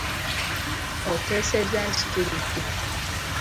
Oteesezza nti tulidde.